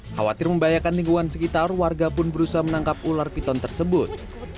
khawatir membahayakan lingkungan sekitar warga pun berusaha menangkap ular piton tersebut